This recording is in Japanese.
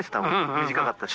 短かったし。